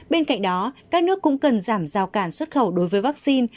bên cạnh đó các nước cũng cần giảm giao cản xuất khẩu đối với vaccine